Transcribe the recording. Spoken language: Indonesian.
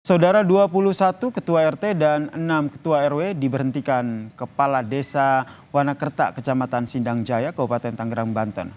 saudara dua puluh satu ketua rt dan enam ketua rw diberhentikan kepala desa wanakerta kecamatan sindang jaya kabupaten tanggerang banten